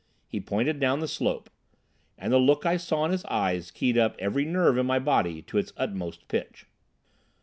He pointed down the slope. And the look I saw in his eyes keyed up every nerve in my body to its utmost pitch.